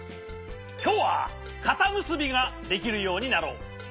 きょうはかたむすびができるようになろう。